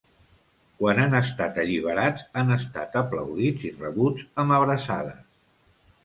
Quan han estat alliberats, han estat aplaudits i rebuts amb abraçades.